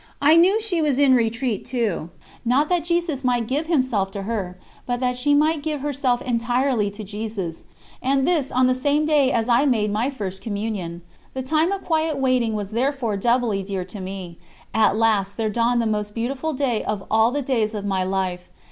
I knew she was in retreat too, not that Jesus might give Himself to her, but that she might give herself entirely to Jesus, and this on the same day as I made my First Communion. The time of quiet waiting was therefore doubly dear to me. At last there dawned the most beautiful day of all the days of my life.